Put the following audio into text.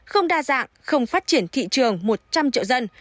không đa dạng không phát triển thị trường một trăm linh triệu dân